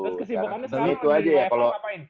lo kesibukannya sekarang di wefa ngapain